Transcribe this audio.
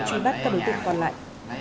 truy bắt các đối tượng còn lại